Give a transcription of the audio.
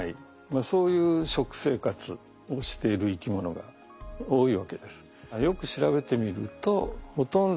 まあそういう食生活をしている生き物が多いわけです。